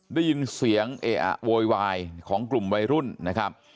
ได้ยินเสียงเอะอะโวยวายของกลุ่มวัยรุ่นนะครับ